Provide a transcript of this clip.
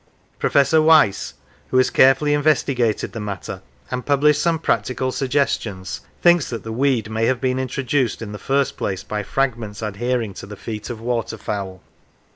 Professor Weiss, who has carefully in vestigated the matter, and published some practical suggestions, thinks that the weed may have been intro duced in the first place by fragments adhering to the feet of water fowl.